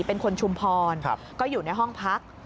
เป็นคนชุมพรก็อยู่ในห้องพัก